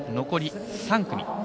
残り３組。